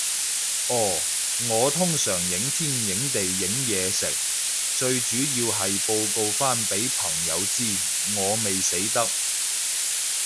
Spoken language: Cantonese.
哦，我通常影天影地影嘢食，最主要係報告返畀朋友知，我未死得